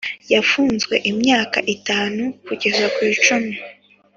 Yafunzwe imyaka itanu kugeza ku icumi.